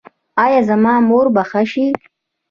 ایا زما مور به ښه شي؟